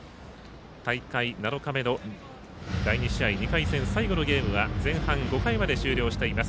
大会７日目の第２試合、２回戦最後のゲームは前半５回まで終了しています。